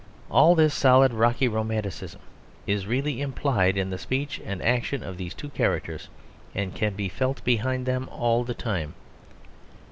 All this solid rocky romanticism is really implied in the speech and action of these two characters and can be felt behind them all the time.